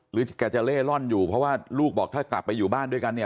แกจะเล่ร่อนอยู่เพราะว่าลูกบอกถ้ากลับไปอยู่บ้านด้วยกันเนี่ย